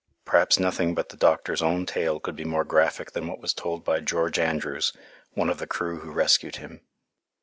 Perhaps nothing but the doctor's own tale could be more graphic than what was told by George Andrews, one of the crew who rescued him."